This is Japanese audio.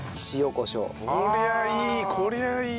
こりゃいい。